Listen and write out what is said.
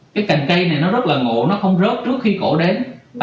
cái cành cây này nó rất là ngộ nó không rớt trước khi cổ đến